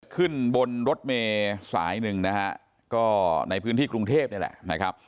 ขึ้นบนรถเมย์สายหนึ่งนะฮะก็ในพื้นที่กรุงเทพนี่แหละนะครับ